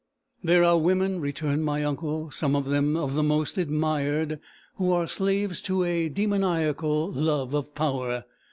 "There are women," returned my uncle, "some of them of the most admired, who are slaves to a demoniacal love of power.